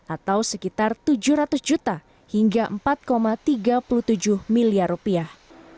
atau sekitar tujuh ratus juta hingga empat tiga puluh tujuh miliar rupiah